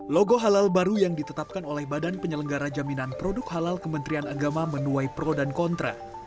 logo halal baru yang ditetapkan oleh badan penyelenggara jaminan produk halal kementerian agama menuai pro dan kontra